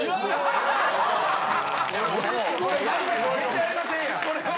絶対やりませんやん。